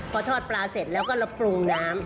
พอทอดปลาเสร็จแล้วก็เราปรุงน้ำ